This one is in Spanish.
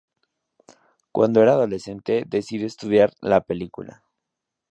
Cuando era adolescente, decidió estudiar la película.